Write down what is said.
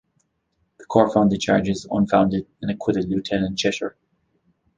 The court found the charges unfounded and acquitted Lieutenant Cheshire.